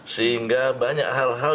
sehingga banyak hal hal